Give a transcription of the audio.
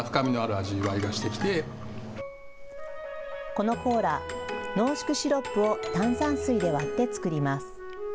このコーラ、濃縮シロップを炭酸水で割って作ります。